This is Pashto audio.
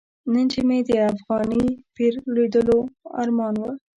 نن چې مې د افغاني پیر لیدلو ارمان و.